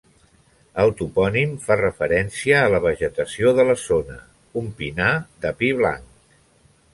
El topònim fa referència a la vegetació de la zona: un pinar de pi blanc.